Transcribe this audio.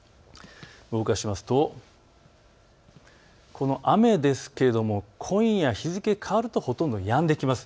動かしますと雨ですが今夜、日付変わるとほとんどやんできます。